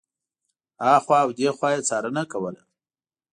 هخوا او دېخوا یې څارنه کوله.